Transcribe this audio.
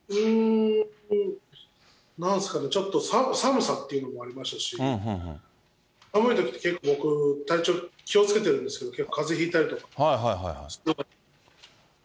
なんすかね、ちょっと寒さっていうのがありましたし、寒いときって結構、体調気をつけてるんですけど、結構かぜひいたりとか。